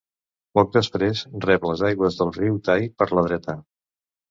Poc després rep les aigües del riu Tay per la dreta.